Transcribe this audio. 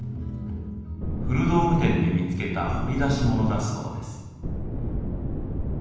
古道具店で見つけた掘り出し物だそうです。